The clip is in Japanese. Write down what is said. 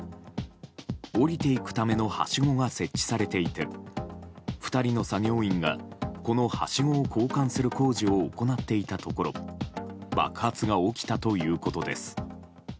下りていくためのはしごが設置されていて２人の作業員がこのはしごを交換する工事を行っていたところ爆発が起きたということです。